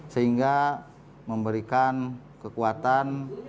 sehingga memberikan kekuatan